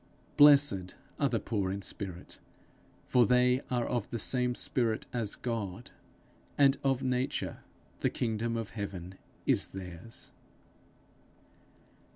Blessed are the poor in spirit, for they are of the same spirit as God, and of nature the kingdom of heaven is theirs.